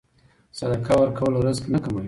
صدقه ورکول رزق نه کموي.